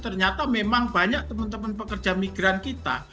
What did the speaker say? ternyata memang banyak teman teman pekerja migran kita